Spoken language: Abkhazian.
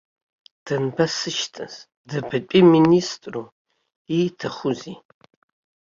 Данбасышьҭаз, дабатәи министру, ииҭахузеи?